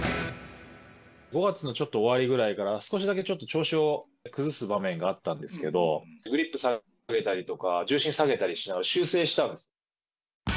５月のちょっと終わりぐらいから、少しだけちょっと調子を崩す場面があったんですけれども、グリップ下げたりとか、重心下げたりしながら修正したんです。